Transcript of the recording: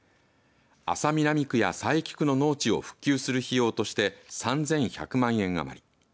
安佐南区や佐伯区の農地を復旧する費用として３１００万円余り。